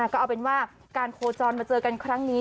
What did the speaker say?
ก็เอาเป็นว่าการโคจรมาเจอกันครั้งนี้